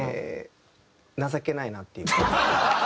情けないなっていうか。